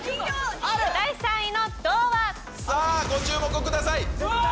さあ、ご注目ください。